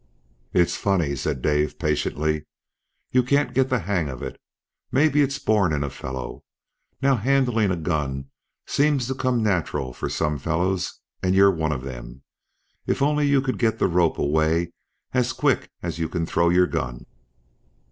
"It's funny," said Dave, patiently, "you can't get the hang of it. Maybe it's born in a fellow. Now handling a gun seems to come natural for some fellows, and you're one of them. If only you could get the rope away as quick as you can throw your gun!"